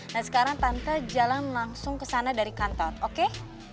nah sekarang tante jalan langsung kesana dari kantor oke